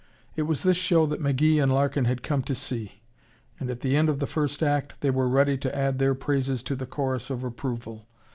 It was this show that McGee and Larkin had come to see, and at the end of the first act they were ready to add their praises to the chorus of approval.